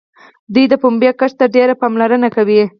دوی د پنبې کښت ته ډېره پاملرنه کوي.